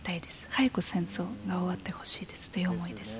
早く戦争が終わってほしいですという思いです。